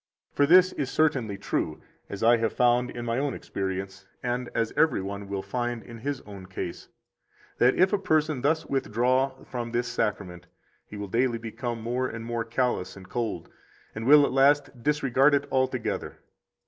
For this is certainly true, as I have found in my own experience, and as every one will find in his own case, that if a person thus withdraw from this Sacrament, he will daily become more and more callous and cold, and will at last disregard it altogether.